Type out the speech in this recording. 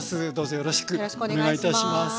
よろしくお願いします。